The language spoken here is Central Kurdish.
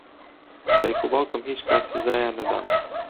دایک و باوکم هیچ کات سزایان نەدام.